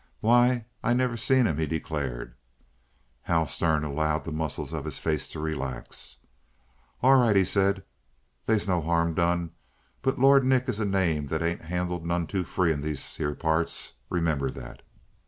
"Why, I never seen him," he declared. Hall Stern allowed the muscles of his face to relax. "All right," he said, "they's no harm done. But Lord Nick is a name that ain't handled none too free in these here parts. Remember that!"